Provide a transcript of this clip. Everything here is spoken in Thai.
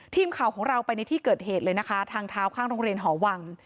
ทีมข่าวของเราไปในที่เกิดเหตุเลยนะคะทางเท้าข้างโรงเรียนหอวัง